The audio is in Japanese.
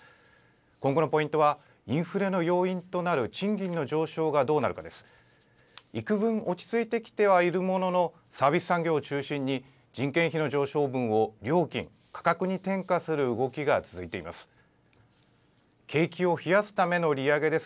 今後のポイントは、インフレの要因となる賃金の上昇がどうなるかです。